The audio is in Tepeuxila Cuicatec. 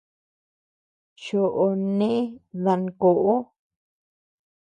Choʼo né dankoʼo.